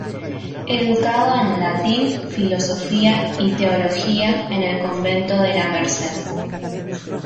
Educado en Latín, Filosofía y Teología en el Convento de la Merced.